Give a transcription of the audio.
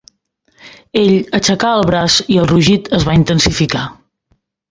Ell aixecà el braç i el rugit es va intensificar.